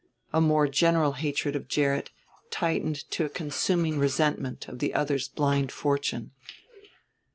A more general hatred of Gerrit tightened to a consuming resentment of the other's blind fortune.